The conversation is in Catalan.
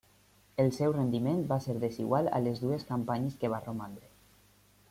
El seu rendiment va ser desigual a les dues campanyes que va romandre.